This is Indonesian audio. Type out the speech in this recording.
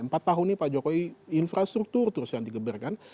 empat tahun ini pak jokowi infrastruktur terus yang digeberkan